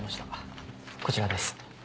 こちらです。